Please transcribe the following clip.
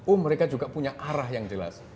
oh mereka juga punya arah yang jelas